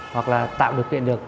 hoặc là tạo được kiện được